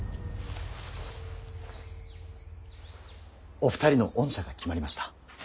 お二人の恩赦が決まりました。